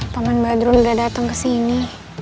pak man badrun udah dateng kesini